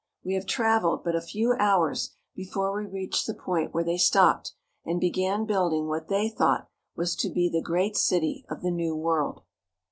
We have traveled but a few hours before we reach the point where they stopped and began building what they thought was to be the great city of the New World.